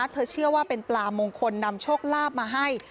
เชื่อว่าเป็นปลามงคลนำโชคลาภมาให้